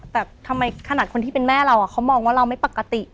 แต่ทำไมขนาดคนที่เป็นแม่เราเขามองว่าเราไม่ปกติ